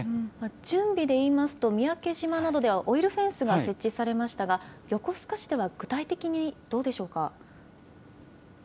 準備でいいますと、三宅島などではオイルフェンスが設置されましたが、横須賀市では具体的にどうでしょうか？